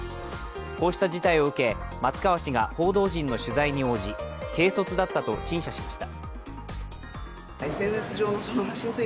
こうした事態を受け、松川氏が報道陣の取材に応じ、軽率だったと陳謝しました。